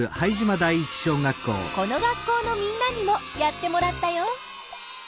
この学校のみんなにもやってもらったよ。